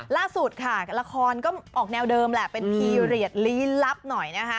ล่าสุดค่ะละครก็ออกแนวเดิมแหละเป็นพีเรียสลี้ลับหน่อยนะคะ